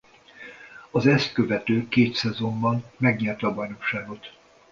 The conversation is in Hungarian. Az ezt követő két szezonban megnyerte a bajnokságot.